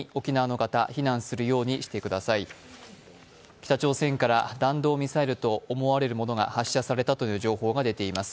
北朝鮮から弾道ミサイルと思われるものが発射されたと発表されています。